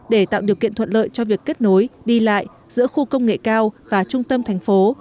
để tạo điều kiện thuận lợi cho việc kết nối đi lại giữa khu công nghệ cao và trung tâm thành phố